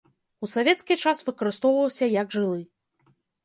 У савецкі час выкарыстоўваўся як жылы.